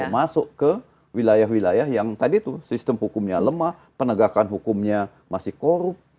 masuk ke wilayah wilayah yang tadi itu sistem hukumnya lemah penegakan hukumnya masih korup